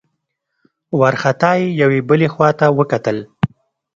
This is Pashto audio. وارخطا يې يوې بلې خواته وکتل.